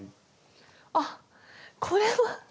あっこれは。